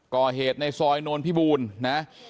ก่อเหตุในซอยนวลพี่บูลนะ